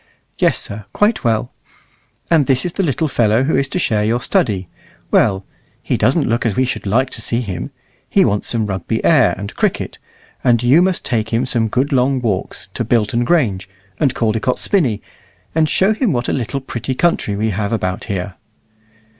"Yes, sir, quite well." "And this is the little fellow who is to share your study. Well, he doesn't look as we should like to see him. He wants some Rugby air, and cricket. And you must take him some good long walks, to Bilton Grange, and Caldecott's Spinney, and show him what a little pretty country we have about here."